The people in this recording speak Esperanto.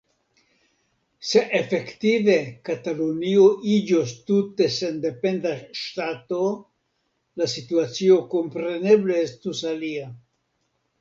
Se efektive Katalunio iĝos tute sendependa ŝtato, la situacio kompreneble estus alia.